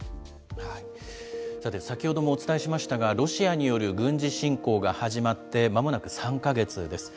さて、先ほどもお伝えしましたが、ロシアによる軍事侵攻が始まって間もなく３か月です。